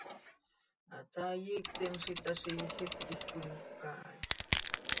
Hataai iictim z itaazi, ilít quij cöimcaaix.